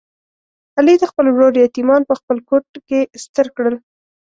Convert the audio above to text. علي د خپل ورور یتیمان په خپل کوت کې ستر کړل.